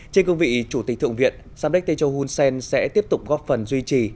trên cương vị chủ tịch thượng viện samdech techo hunsen sẽ tiếp tục góp phần duy trì